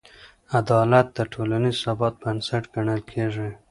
عدالت د ټولنیز ثبات بنسټ ګڼل کېږي.